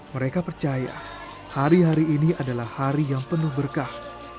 mereka percaya hari hari ini adalah hari yang penuh berkah